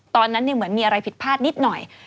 ตอนนั้นเหมือนมีอะไรผิดพลาดนิดหน่อย